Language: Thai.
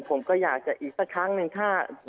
ผมก็อยากจะอีกสักครั้งหนึ่งถ้า